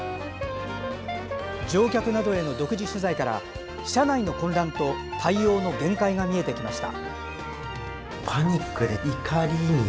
乗客などへの独自取材から車内の混乱と対応の限界が見えてきました。